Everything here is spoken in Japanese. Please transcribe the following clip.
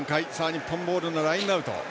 日本ボールのラインアウト。